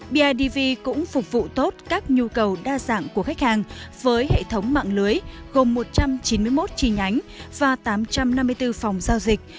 bidv cũng phục vụ tốt các nhu cầu đa dạng của khách hàng với hệ thống mạng lưới gồm một trăm chín mươi một chi nhánh và tám trăm năm mươi bốn phòng giao dịch